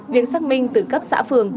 việc xác minh từ cấp xã phường